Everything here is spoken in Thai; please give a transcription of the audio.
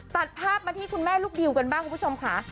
ตัดภาพมาที่คุณแม่ลูกดิวกันบ้างคุณผู้ชมค่ะ